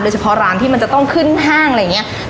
เฉพาะร้านที่มันจะต้องขึ้นห้างอะไรอย่างนี้